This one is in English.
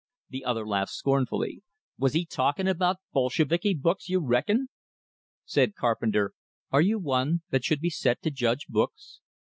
The other laughed scornfully. "Was he talkin' about Bolsheviki books, you reckon?" Said Carpenter: "Are you one that should be set to judge books?